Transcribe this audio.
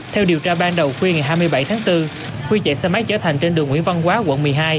theo điều tra ban đầu khuya ngày hai mươi bảy tháng bốn huy chạy xe máy trở thành trên đường nguyễn văn quá quận một mươi hai